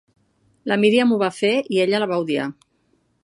La Miriam ho va fer, i ella la va odiar.